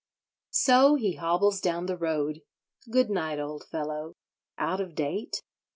So he hobbles down the road. Good night, old fellow! Out of date?